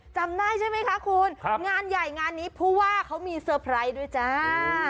จำได้ใช่ไหมคะคุณงานใหญ่งานนี้ผู้ว่าเขามีเซอร์ไพรส์ด้วยจ้า